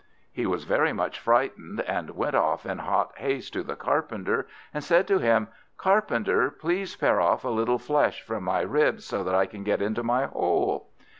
He was very much frightened, and went off in hot haste to the Carpenter, and said to him, "Carpenter, please pare off a little flesh from my ribs, so that I can get into my hole."